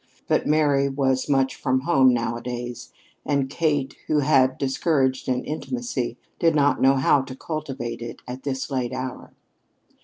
But Mary was much from home nowadays, and Kate, who had discouraged an intimacy, did not know how to cultivate it at this late hour.